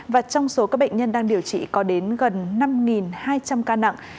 và trong số các bệnh nhân đang điều trị có đến gần năm hai trăm linh ca nặng